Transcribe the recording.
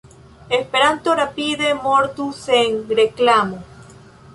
Esperanto rapide mortus sen reklamo.